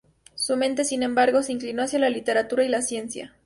Su mente, sin embargo, se inclinó hacia la literatura y la ciencia.